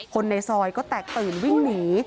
คนในซอยก็แตกตื่นวิ่งหนี